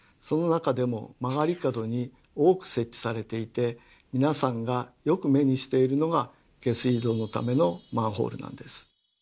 その中でも曲がり角に多く設置されていて皆さんがよく目にしているのが下水道のためのマンホールなんです。